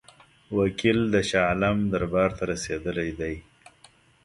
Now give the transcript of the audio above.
وکیل د شاه عالم دربار ته رسېدلی دی.